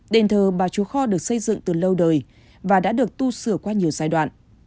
đền thờ bà chúa kho được xây dựng từ lâu đời và đã được tu sửa qua nhiều giai đoạn